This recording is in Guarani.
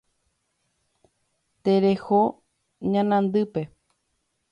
Tereho ñanandýpe.